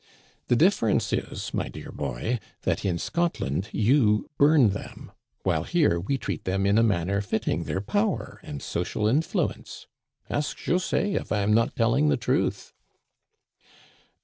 The difference is, my dear boy, that in Scotland you bum them, while here we treat them in a manner fitting their power and social influence. Ask José if I am not telling the truth